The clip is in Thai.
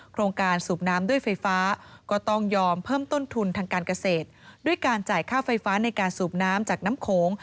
โครงการสูบน้ำด้วยไฟฟ้าก็ต้องยอมเพิ่มต้นทุนทางการเกษตรด้วยการจ่ายค่าไฟฟ้าในการสูบน้ำจากน้ำโขง